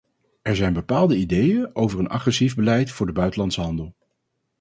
Er zijn bepaalde ideeën over een agressief beleid voor de buitenlandse handel.